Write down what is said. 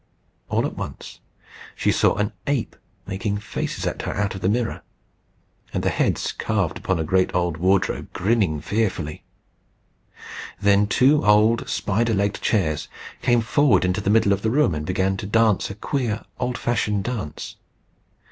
All at once she saw an ape making faces at her out of the mirror, and the heads carved upon a great old wardrobe grinning fearfully. Then two old spider legged chairs came forward into the middle of the room, and began to dance a queer, old fashioned dance.